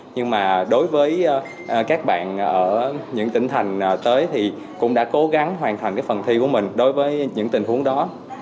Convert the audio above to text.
nhưng mà đối với các bạn ở những tỉnh thành tới thì cũng đã cố gắng hoàn thành phần thi của mình đối với những tình huống đó